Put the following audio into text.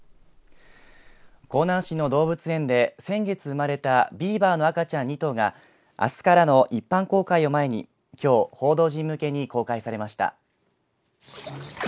香南市の動物園で先月生まれたビーバーの赤ちゃん、２頭があすからの一般公開を前にきょう報道陣向けに公開されました。